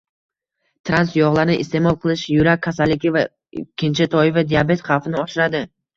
Trans yog‘larni iste’mol qilish yurak kasalligi va ikkinchi toifa diabet xavfini oshiradi